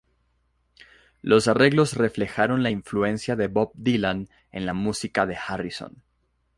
Los arreglos reflejaron la influencia de Bob Dylan en la música de Harrison.